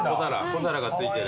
小皿が付いてる。